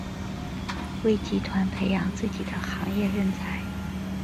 为集团培养自己的行业人才。